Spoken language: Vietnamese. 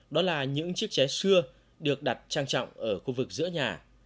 đó là những chiếc ché xưa được đặt trang trọng ở khu vực giữa nhà